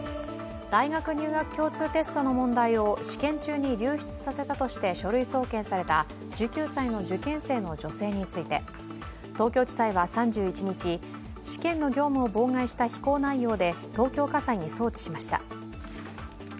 大学入学共通テストの問題を試験中に流出したとして書類送検された１９歳の受験生の女性について、東京地裁は３１日、試験の業務を妨害した非行内容で東京家裁に送致しました。